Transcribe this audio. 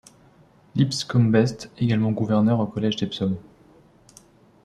Lipscombest également gouverneur au Collège d'Epsom.